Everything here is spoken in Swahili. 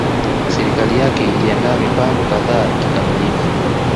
Serikali yake iliandaa mipango kadhaa kikamilifu